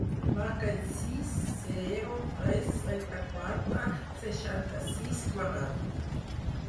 Marca el sis, zero, tres, trenta-quatre, seixanta-sis, quaranta.